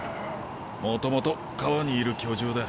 もともと河にいる巨獣だ。